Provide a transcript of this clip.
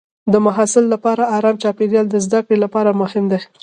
د محصل لپاره ارام چاپېریال د زده کړې لپاره مهم دی.